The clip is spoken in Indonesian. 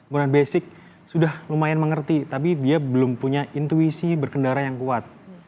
menggunakan basic sudah lumayan mengerti tapi dia belum punya intuisi berkendara yang kuat